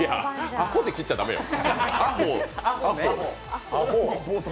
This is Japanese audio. アホで切っちゃ駄目よ、アホー。